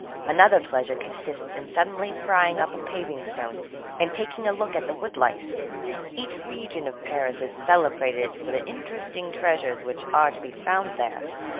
Another pleasure consists in suddenly prying up a paving stone, and taking a look at the wood lice. Each region of Paris is celebrated for the interesting treasures which are to be found there.